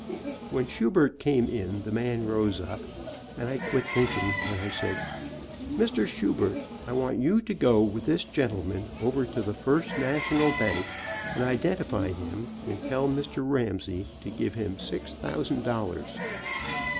When Schubert came in the man rose up, and I quit thinking, and I said, "Mr. Schubert, I want you to go with this gentleman over to the First Na tional bank and identify him, and tell Mr. Ramsey to give him six thousand dollars."